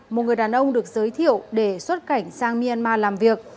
một người đàn ông được giới thiệu để xuất cảnh sang myanmar làm việc